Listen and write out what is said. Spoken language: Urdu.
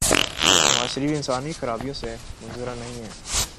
نوازشریف انسانی خرابیوں سے منزہ نہیں ہیں۔